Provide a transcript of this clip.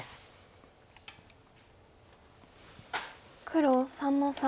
黒３の三。